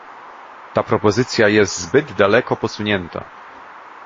ta propozycja jest zbyt daleko posunięta